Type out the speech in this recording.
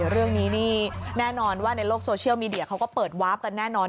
เรื่องนี้นี่แน่นอนว่าในโลกโซเชียลมีเดียเขาก็เปิดวาร์ฟกันแน่นอน